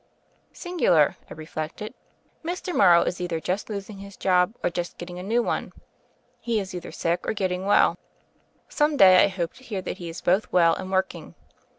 Singular 1 I reflected. Mr. Morrow is either Sst losing his job, or just getting a new one. e is either sick or getting well. Some day I hope to hear that he is both well and work ing.